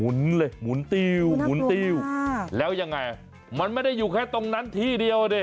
เลยหมุนติ้วหมุนติ้วแล้วยังไงมันไม่ได้อยู่แค่ตรงนั้นที่เดียวดิ